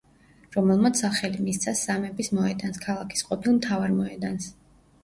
რომელმაც სახელი მისცა სამების მოედანს, ქალაქის ყოფილ მთავარ მოედანს.